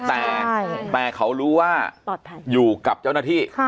แต่เขารู้ว่าอยู่กับเจ้าหน้าที่